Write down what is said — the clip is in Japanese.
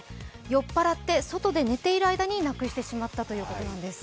酔っ払って外で寝ている間になくしてしまったということなんです。